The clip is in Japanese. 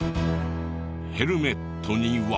ヘルメットには。